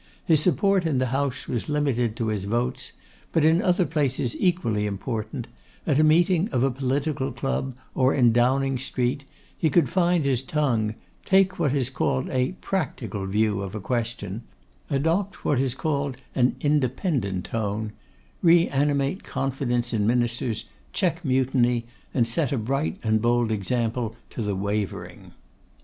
His support in the House was limited to his votes; but in other places equally important, at a meeting at a political club, or in Downing Street, he could find his tongue, take what is called a 'practical' view of a question, adopt what is called an 'independent tone,' reanimate confidence in ministers, check mutiny, and set a bright and bold example to the wavering.